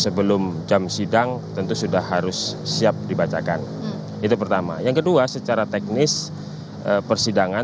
sebelum jam sidang tentu sudah harus siap dibacakan itu pertama yang kedua secara teknis persidangan